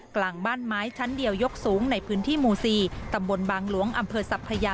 กลางบ้านไม้ชั้นเดียวยกสูงในพื้นที่หมู่๔ตำบลบางหลวงอำเภอสัพพยา